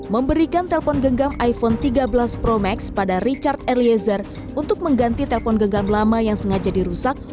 memberikan telpon genggam iphone tiga belas pro max pada richard eliezer untuk mengganti telpon genggam lama yang sengaja dirusak